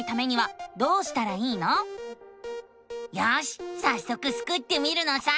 よしさっそくスクってみるのさ！